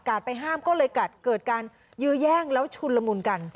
ไปห้ามก็เลยเกิดการยื้อแย่งแล้วชุนละมุนกัน